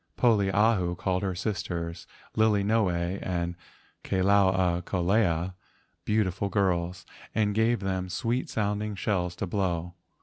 Poliahu called her sisters, Lilinoe and Ka lau a kolea, beautiful girls, and gave them sweet sounding shells to blow.